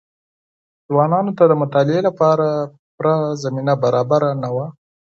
ځوانانو ته د مطالعې لپاره پوره زمينه برابره نه وه.